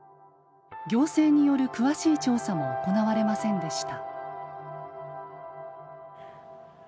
行政による詳しい調査も行われませんでした。